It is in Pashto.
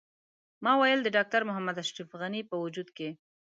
ما ویل د ډاکټر محمد اشرف غني په وجود کې.